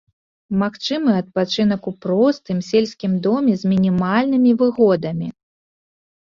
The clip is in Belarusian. Магчымы адпачынак у простым сельскім доме з мінімальнымі выгодамі.